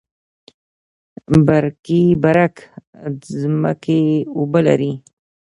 برکي برک ځمکې اوبه لري؟